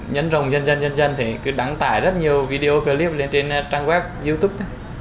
nhấn rồng dần dần dần dần cứ đăng tải rất nhiều video clip lên trên trang web youtube